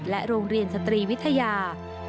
โรงเรียนสตรีวิทยา